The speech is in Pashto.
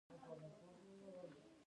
د کور د سودا راوړل د نارینه کار دی.